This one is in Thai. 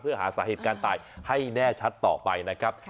เพื่อหาสาเหตุการณ์ตายให้แน่ชัดต่อไปนะครับ